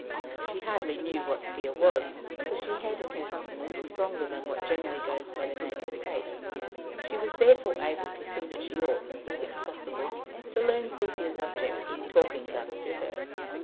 She hardly knew what fear was, for she had in her something a little stronger than what generally goes by the name of faith. She was therefore able to see that she ought, if possible, to learn Sepia's object in talking thus to her.